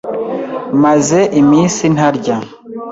Maze iminsi ntarya.